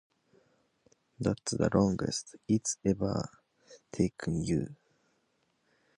That's the longest it's ever taken you!